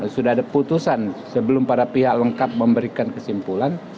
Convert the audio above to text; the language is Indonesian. sudah ada putusan sebelum para pihak lengkap memberikan kesimpulan